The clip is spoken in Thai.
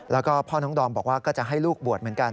แล้วก็พ่อน้องดอมบอกว่าก็จะให้ลูกบวชเหมือนกัน